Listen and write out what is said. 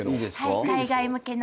はい海外向けの。